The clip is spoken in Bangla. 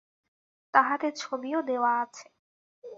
তাহাতে ছবিও দেওয়া আছে।